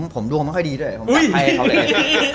ผมดูเขาไม่ค่อยดีด้วยผมจัดให้เขาเลย